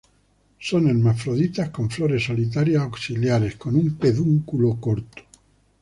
Son hermafroditas con flores solitarias axilares con un pedúnculo corto.